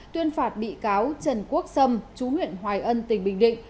tuyên phạt bị cáo trần quốc sâm chú huyện hoài ân tỉnh bình định